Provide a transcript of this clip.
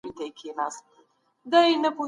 په اور کي مه لوبیږه.